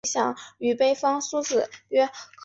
后被召回为左御史大夫。